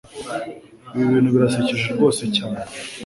ibi bintu birasekeje rwose cyane